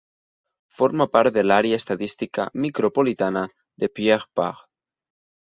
Forma part de l'àrea estadística micropolitana de Pierre Part.